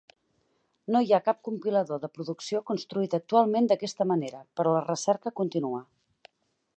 No hi ha cap compilador de producció construït actualment d'aquesta manera, però la recerca continua.